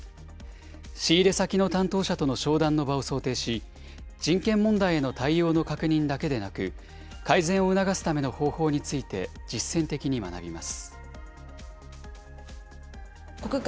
仕入れ先の担当者との商談の場を想定し、人権問題への対応の確認だけでなく、改善を促すための方法について実践的に学びます。